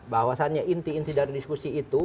bahwasannya inti inti dari diskusi itu